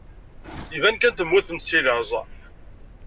Iban kan temmutemt seg laẓ.